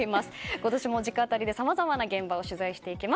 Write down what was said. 今年も直アタリでさまざまな現場を取材していきます。